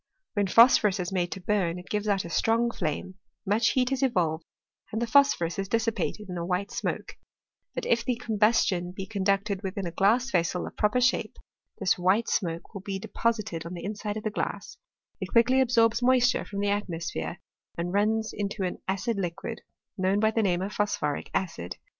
When phosphorus is made to burn it gives out a strong flame, much heat is evolved, and the phos phorus is dissipated in a white smoke : but if the com bustion be conducted within a glass vessel of a proper shape, this white smoke will be deposited on the inside of the glass; it quickly absorbs moisture from the atmo sphere, and runs into an acid liquid, known by the name of phosphoric acid.